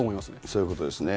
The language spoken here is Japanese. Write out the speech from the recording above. そういうことですね。